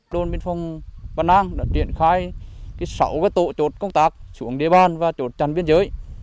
đồn biên phòng văn an đã triển khai sáu tổ chốt công tác xuống địa bàn và chốt chặn biên giới